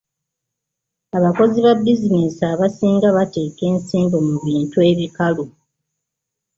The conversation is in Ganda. Abakozi ba bizinensi abasinga bateeka ensimbi mu bintu ebikalu.